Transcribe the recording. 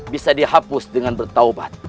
bisa dihapus dengan bertaubat